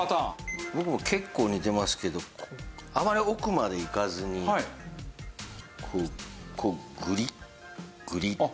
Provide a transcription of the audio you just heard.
僕も結構似てますけどあまり奥まで行かずにこうグリッグリッグリッシューッ。